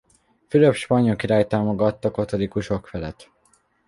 Fülöp spanyol király támogatta katolikusok felett.